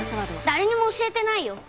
誰にも教えてないよ